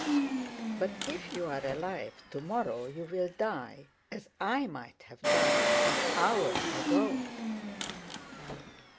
But if you are alive—live: tomorrow you'll die as I might have died an hour ago.